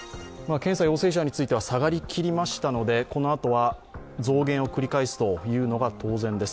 検査陽性者については下がりきりましたのでこのあとは増減を繰り返すというのが当然です。